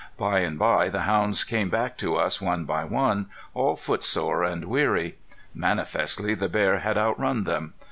By and bye the hounds came back to us one by one, all footsore and weary. Manifestly the bear had outrun them.